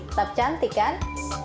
tetap cantik kan